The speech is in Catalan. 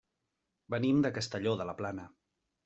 Venim de Castelló de la Plana.